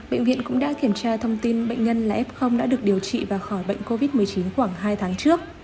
bệnh viện cũng đã kiểm tra thông tin bệnh nhân là f đã được điều trị và khỏi bệnh covid một mươi chín khoảng hai tháng trước